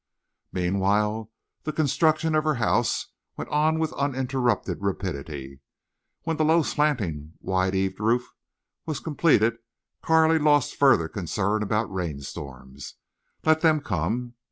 Meanwhile the construction of her house went on with uninterrupted rapidity. When the low, slanting, wide eaved roof was completed Carley lost further concern about rainstorms. Let them come.